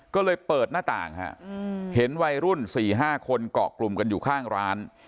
ก็เลยเปิดหน้าต่างฮะเห็นวัยรุ่น๔๕คนเกาะกลุ่มกันอยู่ข้างร้าน